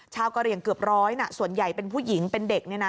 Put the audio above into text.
กะเหลี่ยงเกือบร้อยส่วนใหญ่เป็นผู้หญิงเป็นเด็ก